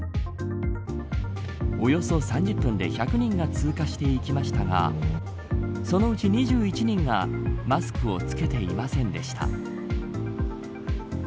およそ３０分で１００人が通過していきましたがそのうち２１人がマスクを着けていませんでした。